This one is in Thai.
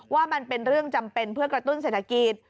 ว่ามันเป็นเรื่องจำเป็นเพื่อกระตุ้นเศรษฐกิจ